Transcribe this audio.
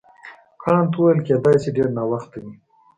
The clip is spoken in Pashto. کانت وویل کیدای شي ډېر ناوخته وي.